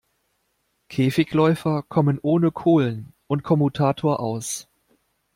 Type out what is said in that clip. Käfigläufer kommen ohne Kohlen und Kommutator aus.